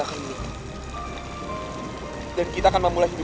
aku janji aku tidak akan melakukan itu